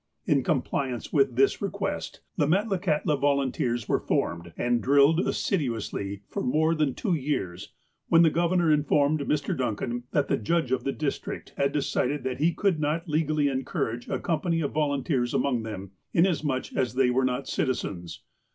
In compliance with this request, the ''Metlakahtla Volunteers " were formed, and drilled assiduously for more than two years, when the Governor informed Mr. Duncan that the judge of the district had decided that he could not legally encourage a company of volunteers among them, inasmuch as they were not citizens.